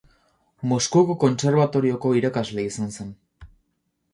Moskuko Kontserbatorioko irakasle izan zen.